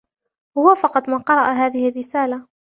هو فقط من قرأ هذه الرسالة.